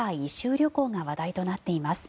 旅行が話題になっています。